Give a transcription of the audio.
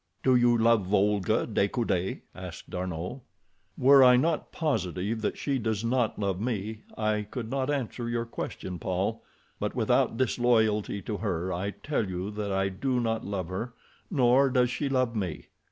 "Do you love Olga de Coude?" asked D'Arnot. "Were I not positive that she does not love me I could not answer your question, Paul; but without disloyalty to her I tell you that I do not love her, nor does she love me.